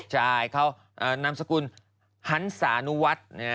ใช่เขานามสกุลหันศานุวัฒน์